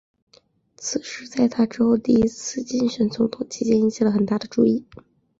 此事在他之后第一次竞选总统期间引起了很大的注意。